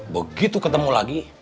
begitu ketemu lagi